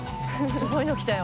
すごいの来たよ。